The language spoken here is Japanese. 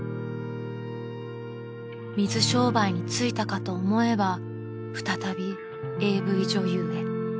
［水商売に就いたかと思えば再びＡＶ女優へ］